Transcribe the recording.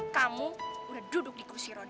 kamu udah duduk di kursi roda